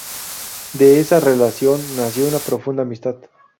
De esa relación nació una profunda amistad.